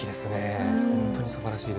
本当にすばらしいです。